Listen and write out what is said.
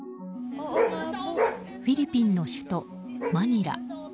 フィリピンの首都マニラ。